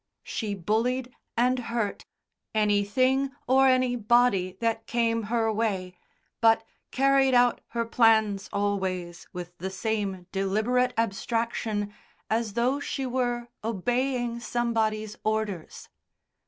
She bullied and hurt anything or anybody that came her way, but carried out her plans always with the same deliberate abstraction as though she were obeying somebody's orders.